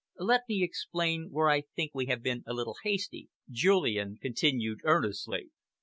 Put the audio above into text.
"Let me explain where I think we have been a little hasty," Julian continued earnestly.